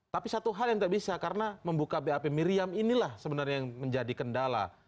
tapi satu hal yang tidak bisa karena membuka bap miriam inilah sebenarnya yang menjadi kendala